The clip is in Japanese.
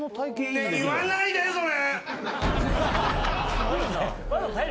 ねぇ言わないでそれ！